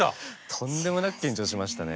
とんでもなく緊張しましたね。